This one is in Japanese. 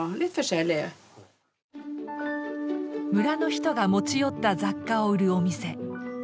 村の人が持ち寄った雑貨を売るお店。